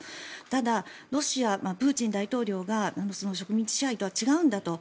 ただ、ロシア、プーチン大統領が植民地支配とは違うんだと。